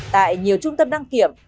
tại nhiều trung tâm đăng kiểm